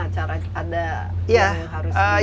cara ada yang harus